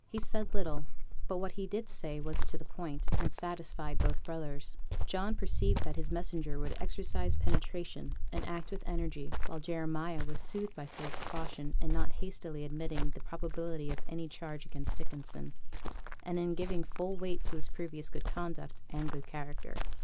He said little; but what he did say was to the point, and satisfied both brothers. John perceived that his messenger would exercise penetration and act with energy; while Jeremiah was soothed by Philip's caution in not hastily admitting the probability of any charge against Dickinson, and in giving full weight to his previous good conduct and good character.